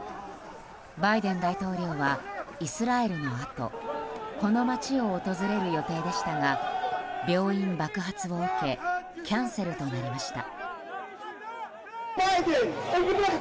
バイデン大統領はイスラエルのあとこの街を訪れる予定でしたが病院爆発を受けキャンセルとなりました。